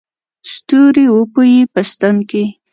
ستوري وپېي په ستن کې